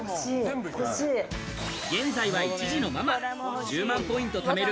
現在は１児のママ、１０万ポイントためる